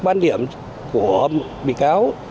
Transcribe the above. quan điểm của bị cáo